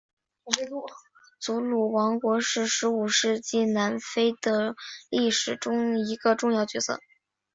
祖鲁王国是十九世纪南非的历史中的一个重要角色。